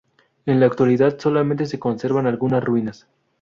En la actualidad solamente se conservan algunas ruinas.